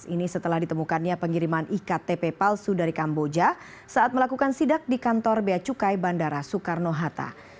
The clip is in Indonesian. ini setelah ditemukannya pengiriman iktp palsu dari kamboja saat melakukan sidak di kantor beacukai bandara soekarno hatta